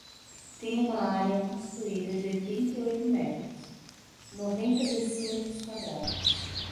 Tem uma área construída de oitenta e oito metros, noventa decímetros quadrados.